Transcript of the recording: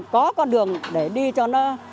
có con đường để đi cho nó